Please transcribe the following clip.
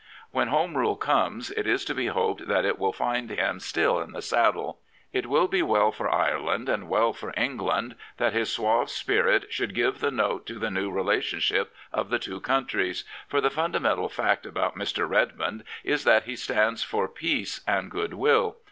When Home "Rule comes, it is to be hoped that it will find him still in the saddle. It will be well for Ireland and well for England that his suave spirit should give the note to the new relationship of the two countries. For the fundamental fact about Mr. Redmond is that he stands for peace and goodwill.